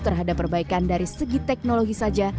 terhadap perbaikan dari segi teknologi saja